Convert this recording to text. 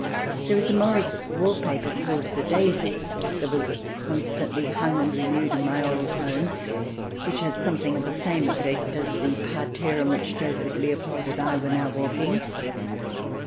There is a Morris wallpaper called *' The Daisy" that was constantly hung and renewed in my old home, which has something of the same effect as the parterre in which Joseph Leopold and I were now walking.